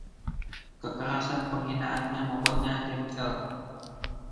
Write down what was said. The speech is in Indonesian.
Kekerasan penghinaannya membuatnya jengkel.